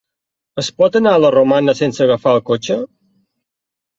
Es pot anar a la Romana sense agafar el cotxe?